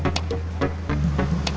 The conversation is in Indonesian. saya jadi siapa